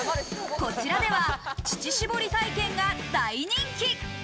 こちらでは乳搾り体験が大人気。